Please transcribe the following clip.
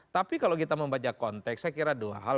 tapi kalau kita membaca konteks saya kira dua hal